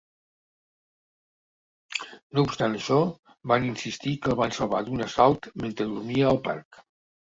No obstant això, van insistir que el van salvar d'un assalt mentre dormia al parc.